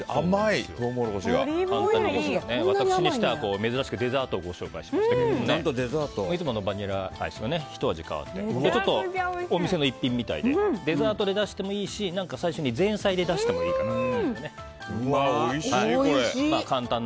私にしては珍しくデザートをご紹介しましたけどいつものバニラアイスがひと味変わってちょっとお店の一品みたいでデザートで出してもいいし最初に前菜で出してもいいかなと。